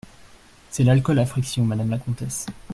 C’est l’alcool à frictions, madame la comtesse.